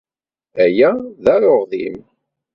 Aya d aruɣdim.